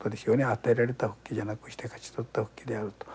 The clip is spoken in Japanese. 与えられた復帰じゃなくして勝ち取った復帰であると。